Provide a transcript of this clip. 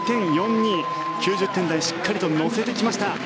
９０点台しっかりと乗せてきました。